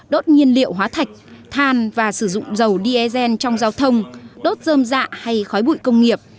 đốt nhiên liệu hóa thạch than và sử dụng dầu diesel trong giao thông đốt dơm dạ hay khói bụi công nghiệp